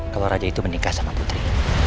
kalau raja itu menikah sama putri